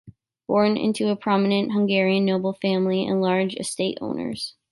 Born into a prominent Hungarian noble family and large estate owners.